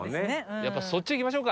やっぱりそっち行きましょうか。